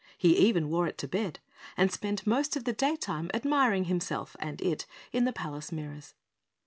He even wore it to bed, and spent most of the daytime admiring himself and it in the palace mirrors.